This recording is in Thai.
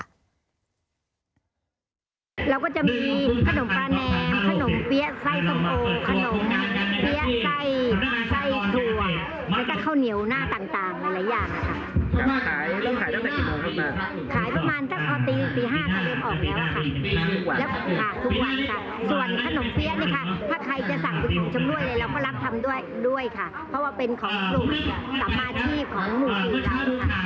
ด้วยค่ะเพราะว่าเป็นของกลุ่มสมาชิกของหมู่สี่ครับ